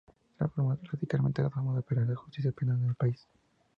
Transforma radicalmente las formas de operar la justicia penal en el país.